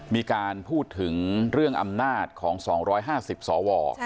มีการพูดถึงเรื่องอำนาจของ๒๕๐สว